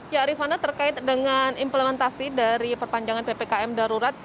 ya rifana terkait dengan implementasi dari perpanjangan ppkm darurat